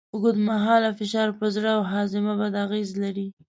اوږدمهاله فشار پر زړه او هاضمه بد اغېز لري.